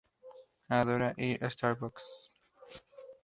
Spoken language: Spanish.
Adora ir a starbucks.